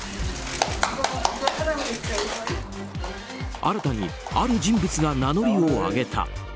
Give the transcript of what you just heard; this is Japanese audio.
新たにある人物が名乗りを上げた。